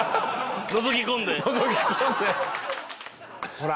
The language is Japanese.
ほら。